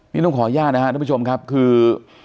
นี่ต้องขออนุญาตนะครับทุกผู้ชมครับคือ